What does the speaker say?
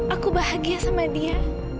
aku bahagia sama dia